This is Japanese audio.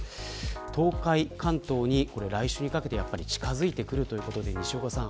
東海、関東に来週にかけて近づいてくるということで西岡さん